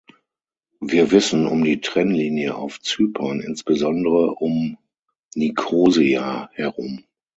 Wir wissen um die Trennlinie auf Zypern, insbesondere um Nikosia herum.